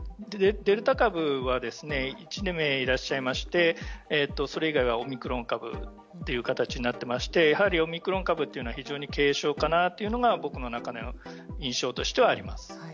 デルタ株は１名いらっしゃいましてそれ以外はオミクロン株という形になっていましてやはりオミクロン株というのは非常に軽症かなというのが僕の中の印象としてはあります。